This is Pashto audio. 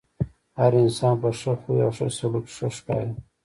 هر انسان په ښۀ خوی او ښۀ سلوک ښۀ ښکاري .